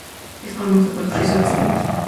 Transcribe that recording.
Es famosa por sus resorts y playas.